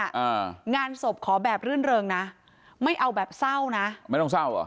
อ่างานศพขอแบบรื่นเริงนะไม่เอาแบบเศร้านะไม่ต้องเศร้าเหรอ